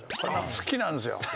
好きなんですよ。